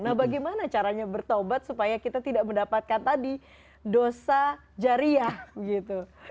nah bagaimana caranya bertobat supaya kita tidak mendapatkan tadi dosa jariah gitu